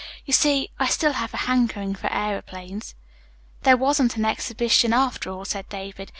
You see, I still have a hankering for aëroplanes." "There wasn't any exhibition, after all," said David.